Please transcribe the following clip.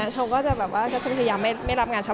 ชมก็จะแบบว่าก็จะพยายามไม่รับงานเช้า